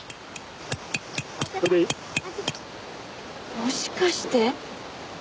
もしかして！